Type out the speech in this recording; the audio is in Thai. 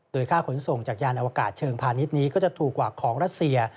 โดยค่าขนส่งจากยานอวกาศเชิงพาณิชย์นี้ก็จะถูกกว่าของรัสเซีย